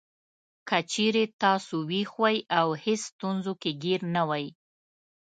که چېرې تاسو وېښ وئ او هېڅ ستونزو کې ګېر نه وئ.